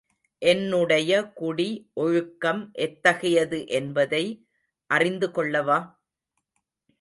என்னுடைய குடி ஒழுக்கம் எத்தகையது என்பதை அறிந்து கொள்ளவா?